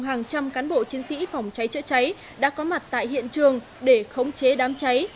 hàng trăm cán bộ chiến sĩ phòng cháy chữa cháy đã có mặt tại hiện trường để khống chế đám cháy